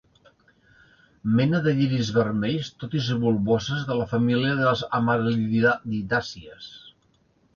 Mena de lliris vermells, tot i ser bulboses de la família de les amaril·lidàcies.